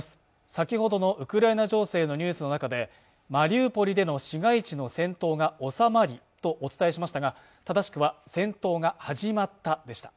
先ほどのウクライナ情勢のニュースの中でマリウポリでの市街地の戦闘が収まりとお伝えしましたが正しくは戦闘が始まったでした